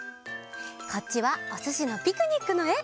こっちは「おすしのピクニック」のえ。